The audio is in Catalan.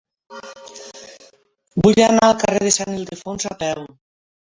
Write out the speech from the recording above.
Vull anar al carrer de Sant Ildefons a peu.